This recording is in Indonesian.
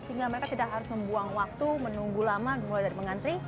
sehingga mereka tidak harus membuang waktu menunggu lama mulai dari mengantri